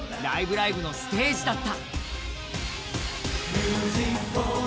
ライブ！」のステージだった。